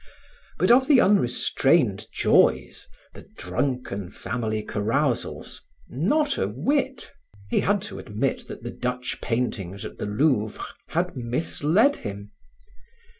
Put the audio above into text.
But of the unrestrained joys, the drunken family carousals, not a whit. He had to admit that the Dutch paintings at the Louvre had misled him.